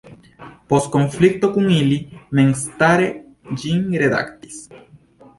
Post konflikto kun ili memstare ĝin redaktis.